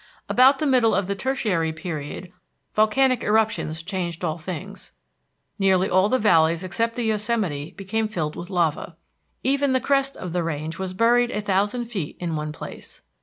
About the middle of the Tertiary Period volcanic eruptions changed all things. Nearly all the valleys except the Yosemite became filled with lava. Even the crest of the range was buried a thousand feet in one place.